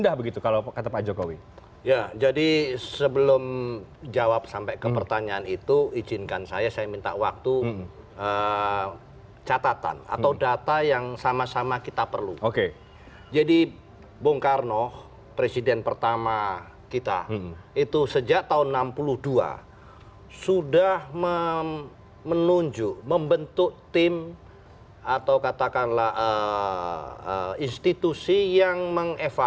harus ada payung hukumnya